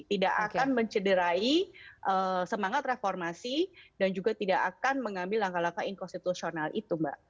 tidak akan mencederai semangat reformasi dan juga tidak akan mengambil langkah langkah inkonstitusional itu mbak